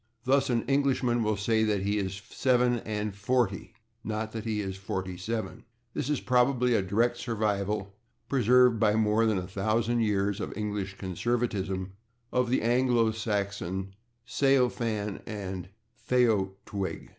Thus, an Englishman will say that he is /seven and forty/, not that he is /forty seven/. This is probably a direct survival, preserved by more than a thousand years of English conservatism, of the Anglo Saxon /seofan and feowertig